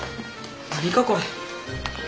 何かこれ。